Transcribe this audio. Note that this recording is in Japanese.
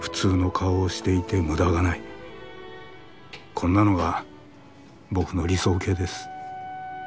こんなのが僕の理想型です。